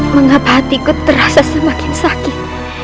mengapa hatiku terasa semakin sakit